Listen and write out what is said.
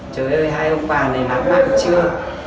trời ơi hai ông bà này lãng mạn chưa